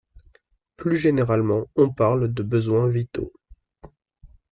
Plus généralement, on parle de besoins vitaux.